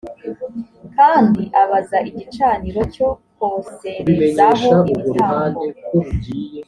kandi abaza igicaniro cyo koserezaho ibitambo